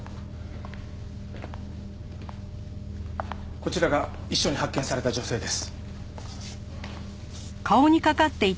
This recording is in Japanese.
こちらが一緒に発見された女性です。